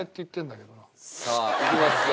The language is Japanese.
さあいきますよ。